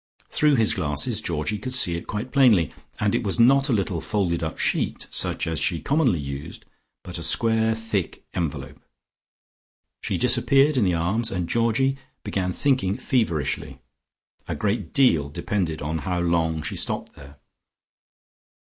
Through his glasses Georgie could see it quite plainly, and it was not a little folded up sheet, such as she commonly used, but a square thick envelope. She disappeared in the Arms and Georgie began thinking feverishly. A great deal depended on how long she stopped there.